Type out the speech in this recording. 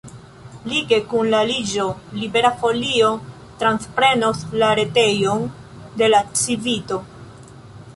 Lige kun la aliĝo Libera Folio transprenos la retejon de la Civito.